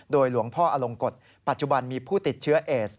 หลวงพ่ออลงกฎปัจจุบันมีผู้ติดเชื้อเอส